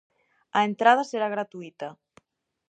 A entrada será gratuíta.